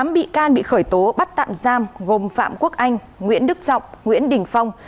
tám bị can bị khởi tố bắt tạm giam gồm phạm quốc anh nguyễn đức trọng nguyễn đình phong